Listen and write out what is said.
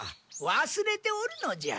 忘れておるのじゃ。